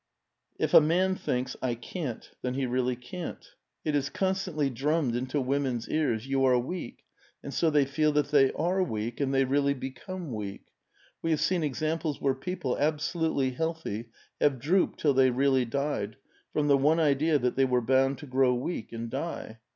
If a man thinks, ' I can't,' then he really can't. It is constantly drammed into women's ears, ' You are weak,' and so they feel that they are weak, and they really become weak. We have seen examples where people, absolutely healthy, have drooped till they really died, from the one idea that they were bound to grow weak and die.